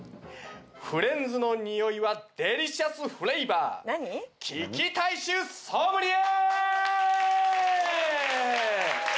フレンズのにおいはデリシャスフレーバー利き体臭ソムリエ！